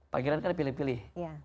pangeran kan pilih pilih